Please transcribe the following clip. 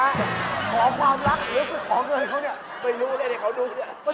ขอความรักหรือคือขอเงินเขาเนี่ย